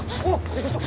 びっくりした！